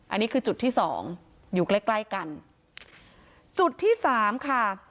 อันนี้คือจุดที่สองอยู่ใกล้ใกล้กันจุดที่สามค่ะ